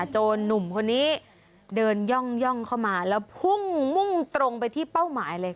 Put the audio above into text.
จนหนุ่มคนนี้เดินย่องเข้ามาแล้วพุ่งมุ่งตรงไปที่เป้าหมายเลย